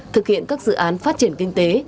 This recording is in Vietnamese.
thực hiện các dự án phát triển kinh tế